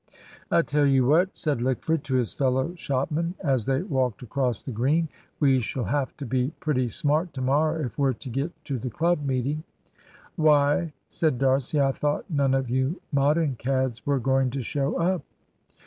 "I tell you what," said Lickford to his fellow shopman as they walked across the Green, "we shall have to be pretty smart to morrow if we're to get to the club meeting." "Why," said D'Arcy, "I thought none of you Modern cads were going to show up?"